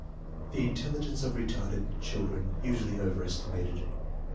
The intelligence of retarded children usually over estimated.